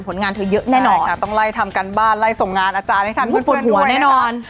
ผลงานเธอเยอะแน่นอนใช่ค่ะต้องไล่ทำการบ้านไล่ส่งงานอาจารย์ให้ทันคุณเพื่อนด้วยนะครับ